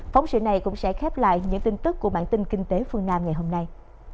phóng sự này cũng sẽ khép lại những tin tức của bản tin kinh tế phương nam ngày hôm nay